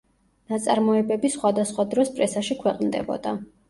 ნაწარმოებები სხვადასხვა დროს პრესაში ქვეყნდებოდა.